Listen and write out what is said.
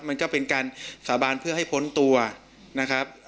มันก็เป็นการสาบานเพื่อให้พ้นตัวนะครับ